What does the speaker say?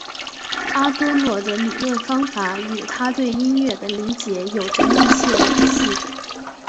阿多诺的理论方法与他对音乐的理解有着密切联系。